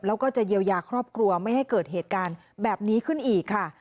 แล้วก็จะเยียวยาครอบครัวไม่ให้เกิดเหตุการณ์แบบนี้ขึ้นอีกค่ะ